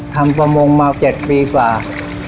ทำประมงมา๗ปีป่าว